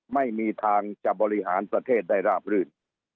ไม่มีทางจะบริหารประเทศได้ราบรื่น